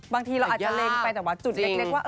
บางทีเราอาจจะเล็งไปแต่ว่าจุดเล็กว่า